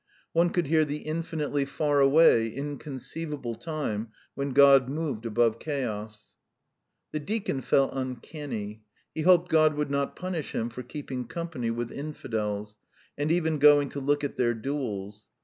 One could hear the infinitely faraway, inconceivable time when God moved above chaos. The deacon felt uncanny. He hoped God would not punish him for keeping company with infidels, and even going to look at their duels.